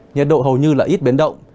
nhiệt độ hầu như là ít biến động